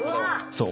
そう。